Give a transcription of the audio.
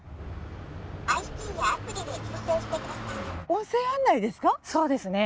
音声案内ですか？